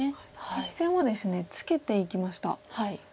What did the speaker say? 実戦はですねツケていきました。